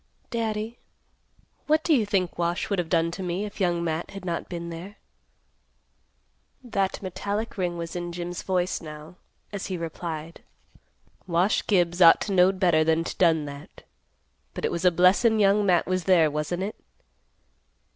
"Daddy, what do you think Wash would have done to me, if Young Matt had not been there?" That metallic ring was in Jim's voice, now, as he replied, "Wash Gibbs ought to knowed better than to done that. But it was a blessin' Young Matt was there, wasn't it?